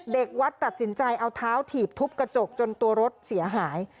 เด็กวัดตัดสินใจเอาเท้าถีบทุบกระจกจนตัวรถเสียหาย